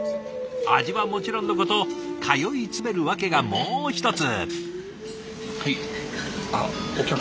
味はもちろんのこと通いつめる訳がもう一つ。